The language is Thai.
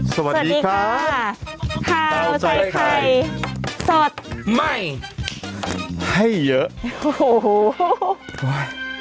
สวัสดีค่ะข้าวใส่ไข่สดใหม่ให้เยอะโอ้โห